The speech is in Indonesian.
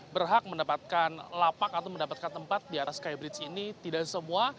berhak mendapatkan lapak atau mendapatkan tempat di atas skybridge ini tidak semua